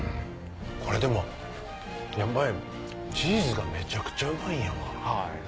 これでもやっぱりチーズがめちゃくちゃうまいんやわ。